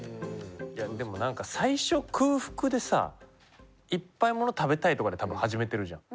でもなんか最初空腹でさいっぱいもの食べたいとかで多分始めてるじゃん。